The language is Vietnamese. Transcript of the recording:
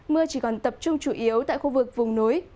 mưa chỉ còn tập trung chủ yếu tại khu vực vùng núi